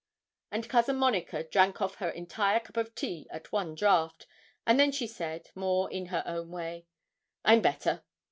And Cousin Monica drank off her entire cup of tea at one draught, and then she said, more in her own way 'I'm better!'